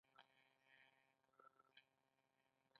په دې نظام کې ټولنه د لومړي ځل لپاره ویشل شوه.